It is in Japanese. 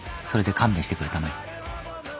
それで勘弁してくれたまえ」